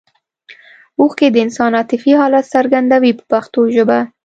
اوښکې د انسان عاطفي حالت څرګندوي په پښتو ژبه.